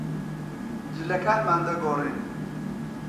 جلەکانمان دەگۆڕین.